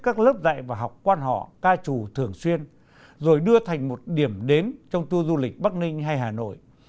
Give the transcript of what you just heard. các lớp dạy và học quan họ ca trù thường xuyên rồi đưa thành một điểm đến trong tour du lịch bắc ninh hay hà nội